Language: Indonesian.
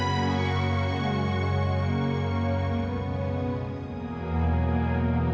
mereka juga lebih industry songs gitu